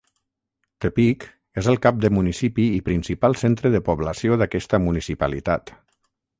Tepic és el cap de municipi i principal centre de població d'aquesta municipalitat.